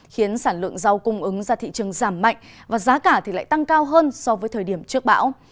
khiến sản lượng dao cung ứng ra thị trường giảm mạnh và giá cả lại tăng cao hơn so với thời điểm trước bão